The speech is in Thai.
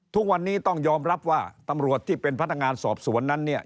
ทุกวันนี้ต้องยอมรับว่าตำรวจที่เป็นพนักงานสอบสวนนั้นเนี่ย